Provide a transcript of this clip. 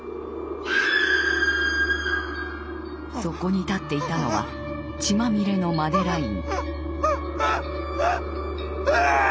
そこに立っていたのは血まみれのマデライン。